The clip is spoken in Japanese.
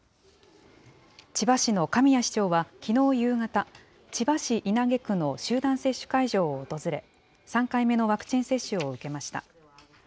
千葉市の神谷市長はきのう夕方、千葉市稲毛区の集団接種会場を訪れ、３回目のワクチン接種を受けました。